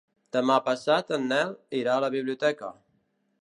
Demà passat en Nel irà a la biblioteca.